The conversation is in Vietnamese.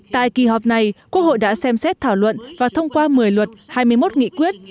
tại kỳ họp này quốc hội đã xem xét thảo luận và thông qua một mươi luật hai mươi một nghị quyết